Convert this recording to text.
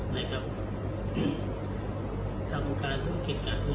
มีที่ชาวบ้านไม่ใช้